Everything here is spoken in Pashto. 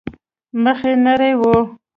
مخ يې نرى و.